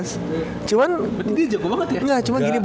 gak cuman gini bu